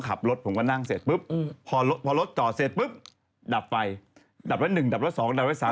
ก็สรุปนางก็ย้ำคิดย้ำทำ